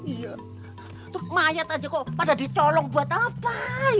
iya terus mayat aja kok pada dicolong buat apa